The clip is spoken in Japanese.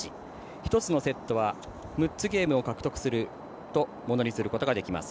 １つのセットは６つゲームを獲得するとものにすることができます。